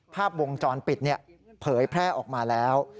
ภาพวงจรปิดเผยแพร่ออกมาแล้ว